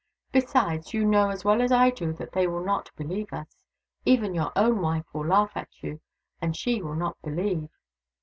Besides, you know as well as I do that they will not believe us. Even your own wife will laugh at you, and she will not believe."